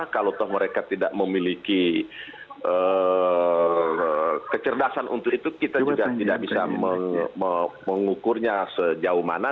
kalau mereka tidak memiliki kecerdasan untuk itu kita juga tidak bisa mengukurnya sejauh mana